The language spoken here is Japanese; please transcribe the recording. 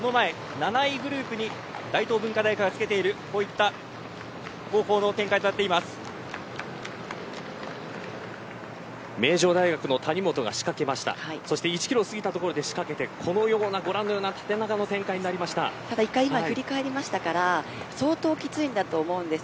その前の７位グループに大東文化大がつけているこういった後方の展開です。